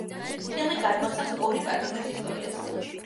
ფილმი გადმოსცემს ორი პატიმრის ისტორიას.